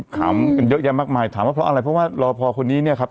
ถามกันเยอะแยะมากมายถามว่าเพราะอะไรเพราะว่ารอพอคนนี้เนี่ยครับ